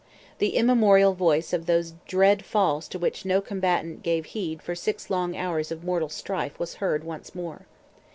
The immemorial voice of those dread Falls to which no combatant gave heed for six long hours of mortal strife was heard once more.